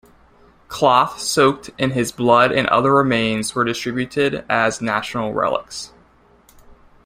Cloth soaked in his blood and other remains were distributed as national relics.